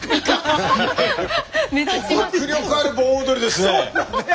迫力ある盆踊りですね！